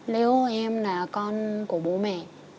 nếu em là con của bố mẹ